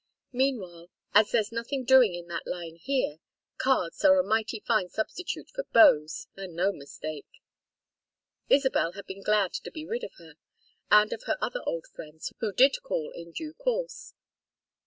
Meanwhile, as there's nothing doing in that line here, cards are a mighty fine substitute for beaux, and no mistake." Isabel had been glad to be rid of her, and of her other old friends, who did call in due course.